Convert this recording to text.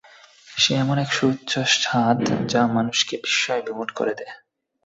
সে এমন এক সুউচ্চ ছাদ যা মানুষকে বিস্ময় বিমূঢ় করে দেয়।